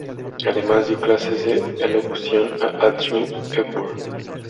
Además, dio clases de elocución a Audrey Hepburn.